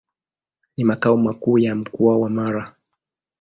Ni makao makuu ya Mkoa wa Mara.